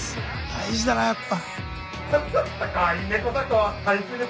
大事だなあやっぱ。